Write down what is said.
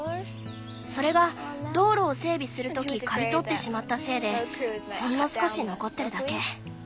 それが道路を整備するとき刈り取ってしまったせいでほんの少し残ってるだけ。